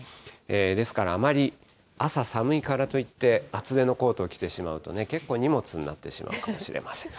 ですから、あまり朝寒いからといって、厚手のコートを着てしまうと、結構、荷物になってしまうかもしれません。